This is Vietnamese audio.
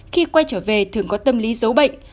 khi quay trở về thường có tâm lý giấu bệnh